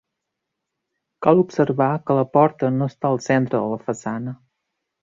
Cal observar que la porta no està al centre de la façana.